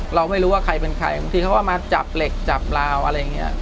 เราไม่รู้ว่าใครเป็นใครบางทีเขาก็มาจับเหล็กจับลาวอะไรอย่างนี้